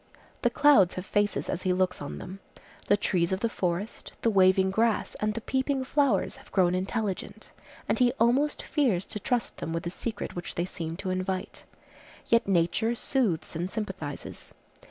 The clouds have faces as he looks on them. The trees of the forest, the waving grass and the peeping flowers have grown intelligent; and he almost fears to trust them with the secret which they seem to invite. Yet nature soothes and sympathizes.